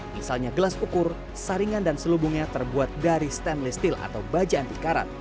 misalnya gelas ukur saringan dan selubungnya terbuat dari stainless steel atau baja anti karat